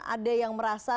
ada yang merasa